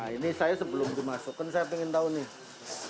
ini saya sebelum dimasukkan saya ingin tahu nih